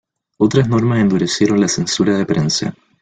Otras normas endurecieron la censura de prensa.